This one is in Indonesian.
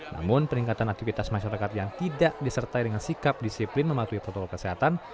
namun peningkatan aktivitas masyarakat yang tidak disertai dengan sikap disiplin mematuhi protokol kesehatan